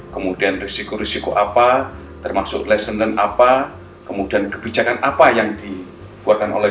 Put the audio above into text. kemudian risiko risiko apa termasuk lessonel apa kemudian kebijakan apa yang dikeluarkan oleh